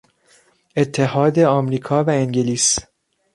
اتحاد امریکا و انگلیس